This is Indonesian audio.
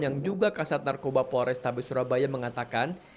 yang juga kasat narkoba polres tabi surabaya mengatakan